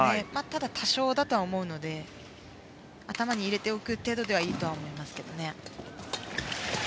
ただ、多少だとは思うので頭に入れておく程度でいいと思いますけどね。